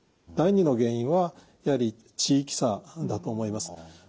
第２の原因はやはり地域差だと思います。